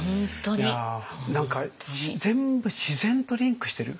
何か全部自然とリンクしてる。